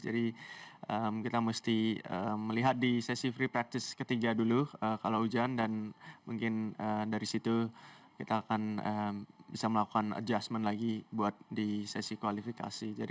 jadi kita mesti melihat di sesi free practice ketiga dulu kalau hujan dan mungkin dari situ kita akan bisa melakukan adjustment lagi buat di sesi kualifikasi